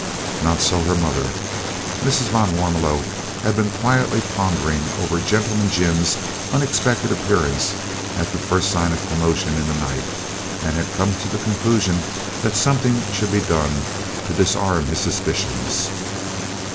Not so her mother. Mrs. van Warmelo had been quietly pondering over "Gentleman Jim's" unexpected appearance at the first sign of commotion in the night and had come to the conclusion that something should be done to disarm his suspicions.